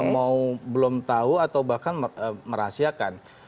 mau belum tahu atau bahkan merahasiakan